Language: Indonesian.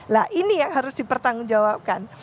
nah ini yang harus dipertanggungjawabkan